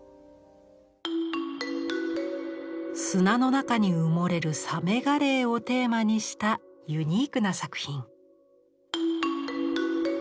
砂の中に埋もれるサメガレイをテーマにしたユニークな作品。